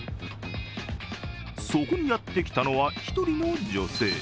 そこにやってきたのは１人の女性。